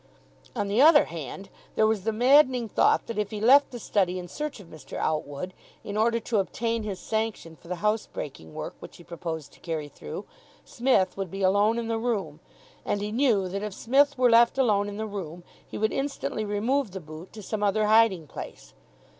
On the other hand, there was the maddening thought that if he left the study in search of Mr. Outwood, in order to obtain his sanction for the house breaking work which he proposed to carry through, Smith would be alone in the room. And he knew that, if Smith were left alone in the room, he would instantly remove the boot to some other hiding place.